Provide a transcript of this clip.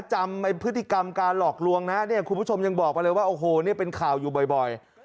จำพฤติกรรมการหลอกลวงนะเนี่ยคุณผู้ชมยังบอกไปเลยว่าโอ้โหเนี่ยเป็นข่าวอยู่บ่อย